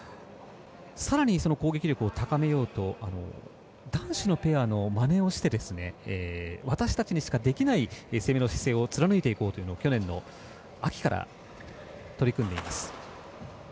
さらに、攻撃力を高めようと男子のペアのまねをして私たちにしかできない攻めの姿勢を貫いていこうと去年の秋から取り組んでいます。